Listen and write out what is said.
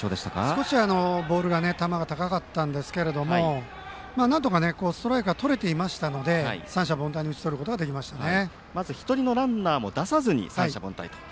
少し、ボールが球が高かったんですけれどもなんとかストライクがとれていましたので三者凡退に打ち取ることができましたね。